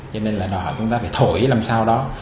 cho nên là đòi hỏi chúng ta phải thổi làm sao đó